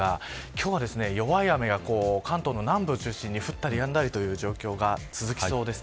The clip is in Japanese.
今日は弱い雨が関東の南部を中心に降ったりやんだりという状況が続きそうです。